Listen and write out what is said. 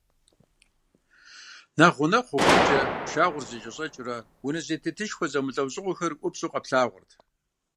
Нэхъ гъунэгъу хъухункӏэ, пшагъуэр зэкӏэщӏэкӏыурэ, унэ зэтетышхуэхэ зэмылӏэужьыгъуэхэр упщӏу къэплъагъурт.